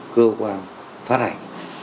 cơ quan phát hành